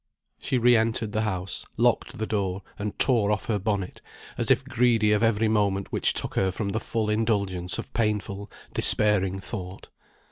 She re entered the house, locked the door, and tore off her bonnet, as if greedy of every moment which took her from the full indulgence of painful, despairing thought.